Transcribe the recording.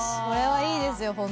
これはいいですよ